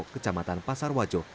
kecamatan pasar wajo